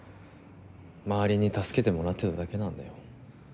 周りに助けてもらってただけなんだよ。